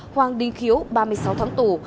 hoàng đinh khiếu ba mươi sáu tháng tù